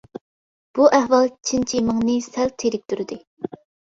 بۇ ئەھۋال چىن چىمىڭنى سەل تېرىكتۈردى.